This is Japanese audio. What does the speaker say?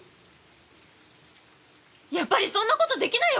やっぱりそんな事できないよ